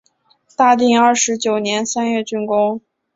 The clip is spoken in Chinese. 大定二十九年三月竣工。